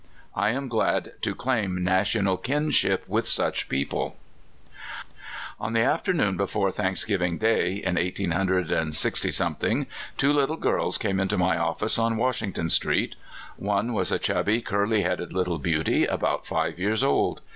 I am glad to claim national kinship with such men and women. On the afternoon before Thanksgiving day, in eighteen hundred and sixty something, two little girls came into my office, on Washington street. One was a chubby, curly headed little beauty, about 6ve years old.